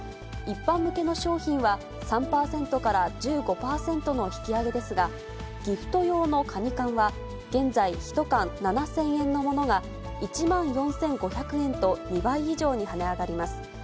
一般向けの商品は、３％から１５％の引き上げですが、ギフト用のカニ缶は、現在１缶７０００円のものが１万４５００円と、２倍以上に跳ね上がります。